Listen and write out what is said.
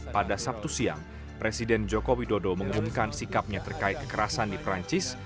pada sabtu siang presiden joko widodo mengumumkan sikapnya terkait kekerasan di perancis